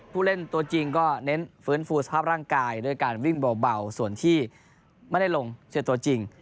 ผู้เล่นตัวจริงก็เน้นฟื้นฟูสภาพร่างกายด้วยการวิ่งเบาส่วนที่ไม่ได้ลงเชียร์ตัวจริง